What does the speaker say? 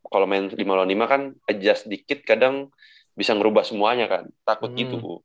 kalau main lima lawan lima kan adjust dikit kadang bisa ngerubah semuanya kan takut gitu bu